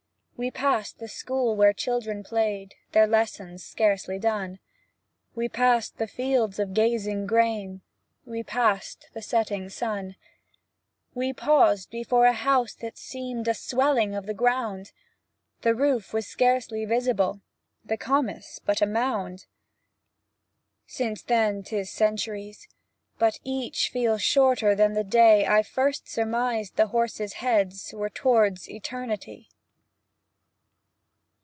We passed the school where children played, Their lessons scarcely done; We passed the fields of gazing grain, We passed the setting sun. We paused before a house that seemed A swelling of the ground; The roof was scarcely visible, The cornice but a mound. Since then 't is centuries; but each Feels shorter than the day I first surmised the horses' heads Were toward eternity.